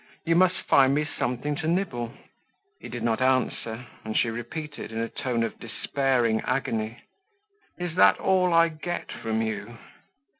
You must find me something to nibble." He did not answer, and she repeated, in a tone of despairing agony: "Is that all I get from you?"